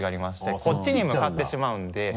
こっちに向かってしまうので。